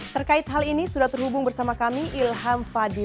terkait hal ini sudah terhubung bersama kami ilham fadil